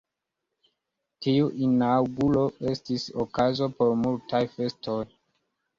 Tiu inaŭguro estis okazo por multaj festoj.